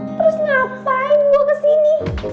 terus ngapain gue kesini